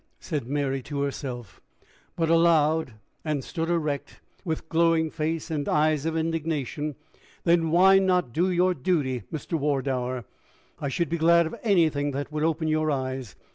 said Mary to herself, but aloud, and stood erect, with glowing face and eyes of indignation: "Then why not do your duty, Mr. Wardour? I should be glad of anything that would open your eyes.